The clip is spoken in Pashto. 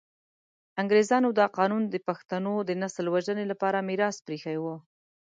انګریزانو دا قانون د پښتنو د نسل وژنې لپاره میراث پرې ایښی وو.